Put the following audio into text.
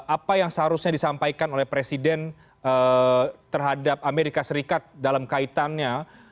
apa yang seharusnya disampaikan oleh presiden terhadap amerika serikat dalam kaitannya